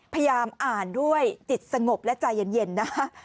พยายามอ่านด้วยจิตสงบและใจเย็นนะฮะ